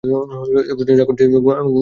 এ পর্যন্ত যা করেছ, খুব ভালই হয়েছে।